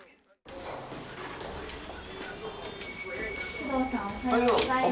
工藤さんおはようございます。